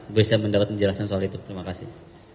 gue bisa mendapat penjelasan soal itu terima kasih